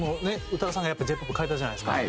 宇多田さんがやっぱＪ−ＰＯＰ変えたじゃないですか。